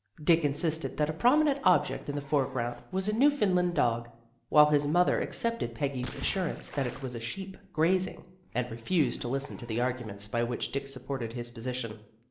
Dick insisted that a prominent object hi the foreground was a New foundland dog, while his mother accepted Peggy's assurance that it was a sheep grazing, and refused to listen to the arguments by which Dick supported his position.